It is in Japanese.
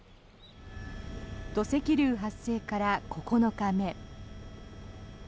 土石流発生から９日目。